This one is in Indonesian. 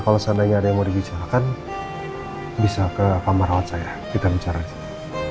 kalau seandainya ada yang mau dibicarakan bisa ke kamar rawat saya kita bicara di sini